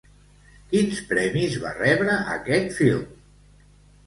Quins premis va rebre aquest film?